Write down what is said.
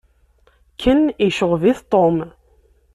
Ken yecɣeb-it Tom.